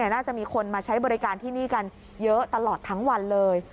น่าจะมีคนมาใช้บริการที่นี่กันเยอะตลอดทั้งวันเลย